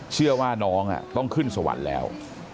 เชื่อว่าน้องต้องขึ้นสวรรค์แล้ว